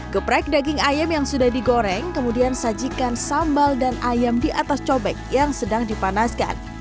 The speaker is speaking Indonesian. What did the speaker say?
geprek daging ayam yang sudah digoreng kemudian sajikan sambal dan ayam di atas cobek yang sedang dipanaskan